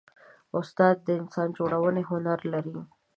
استاد د انسان جوړونې هنر لري.